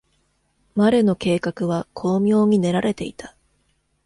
マレの計画は巧妙に練られていた。